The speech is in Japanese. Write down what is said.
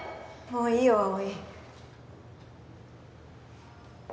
もういいよ